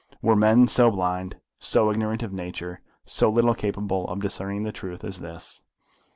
Were men so blind, so ignorant of nature, so little capable of discerning the truth as this?